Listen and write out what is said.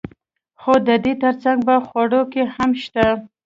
خو د دې ترڅنګ په خوړو کې هم شته.